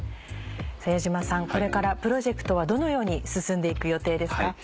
矢島さんこれからプロジェクトはどのように進んで行く予定ですか？